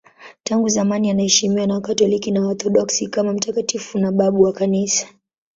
Tangu zamani anaheshimiwa na Wakatoliki na Waorthodoksi kama mtakatifu na babu wa Kanisa.